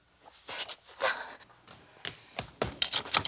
清吉さん？